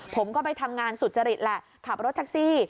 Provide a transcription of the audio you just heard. ผมก็ไปทำงานสุจริตแหละขับรถแท็กซี่